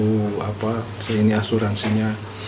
itu apa ini asuransinya